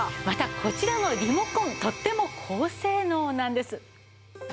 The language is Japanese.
またこちらのリモコンとっても高性能なんです。